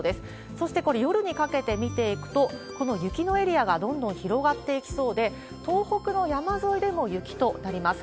そしてこれ、夜にかけて見ていくと、この雪のエリアがどんどん広がっていきそうで、東北の山沿いでも雪となります。